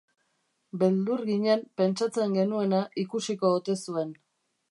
Beldur ginen pentsatzen genuena ikusiko ote zuen.